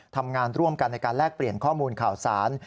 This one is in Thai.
ทำงานร่วมกันในการแลกเปลี่ยนข้อมูลข่าวสาร